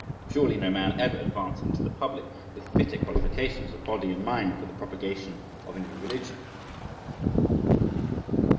Surely no man ever advanced into the public with fitter qualifications of body and mind for the propagation of a new religion.